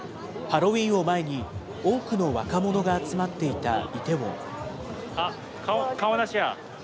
ハロウィーンを前に、多くの若者が集まっていたイテウォン。